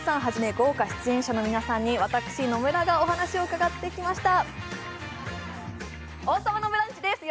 豪華出演者の皆さんに私、野村がお話を伺ってきました。